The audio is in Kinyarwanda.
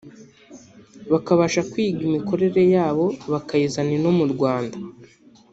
bakabasha kwiga imikorere yabo bakayizana ino mu Rwanda